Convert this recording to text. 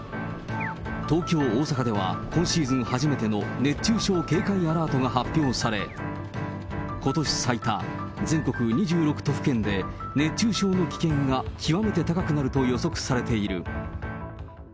東京、大阪では、今シーズン初めての熱中症警戒アラートが発表され、ことし最多、全国２６都府県で熱中症の危険が極めて高くなると予測されている。